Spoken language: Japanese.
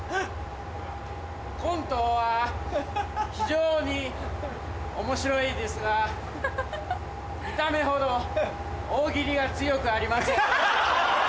コントは非常に面白いですが見た目ほど大喜利が強くありません。